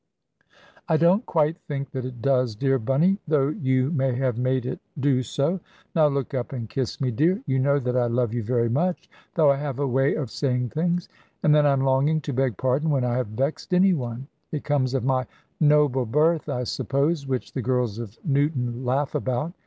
"I don't quite think that it does, dear Bunny, though you may have made it do so. Now look up and kiss me, dear: you know that I love you very much, though I have a way of saying things. And then I am longing to beg pardon when I have vexed any one. It comes of my 'noble birth,' I suppose, which the girls of Newton laugh about.